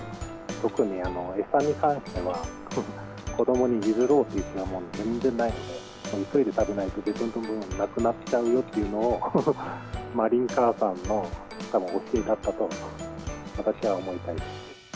特に餌に関しては、子どもに譲ろうという気は全然ないので、急いで食べないと自分の分なくなっちゃうっていうのを、まりん母さんのたぶん教えだったと、私は思いたいです。